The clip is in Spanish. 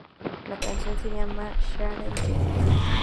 La canción se llamaba "Sarah Jane".